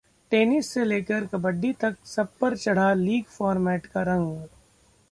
tennis से लेकर कबड्डी तक, सब पर चढ़ा लीग फॉर्मेट का रंग